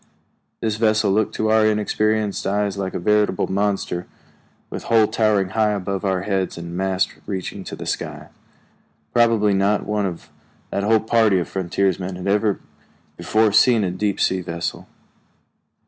This vessel looked to our inexperienced eyes like a veritable monster, with hull towering high above our heads and masts reaching to the sky. Probably not one of that whole party of frontiersmen had ever before seen a deep sea vessel.